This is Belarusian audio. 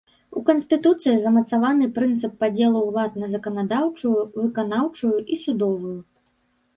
У канстытуцыі замацаваны прынцып падзелу ўлад на заканадаўчую, выканаўчую і судовую.